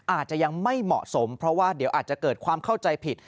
อาจจะยังไม่เหมาะสมเพราะว่าเดี๋ยวอาจจะเกิดความเข้าใจผิด